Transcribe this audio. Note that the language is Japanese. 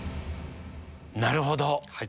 なるほど！